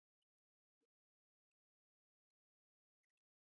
This is probably the maximum black-hole spin allowed in nature.